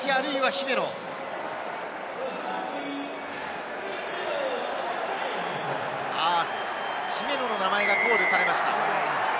姫野の名前がコールされました。